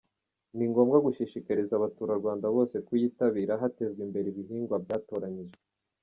Ni ngombwa gushishikariza abaturarwanda bose kuyitabira hatezwa imbere ibihingwa byatoranyijwe.